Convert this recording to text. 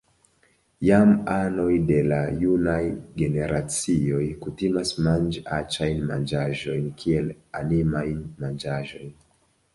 Jam anoj de la junaj generacioj kutimas manĝi aĉajn manĝaĵojn kiel “animajn manĝaĵojn.